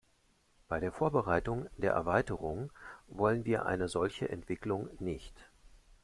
Bei der Vorbereitung der Erweiterung wollen wir eine solche Entwicklung nicht.